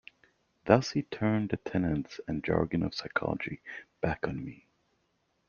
Thus he turned the tenets and jargon of psychology back on me.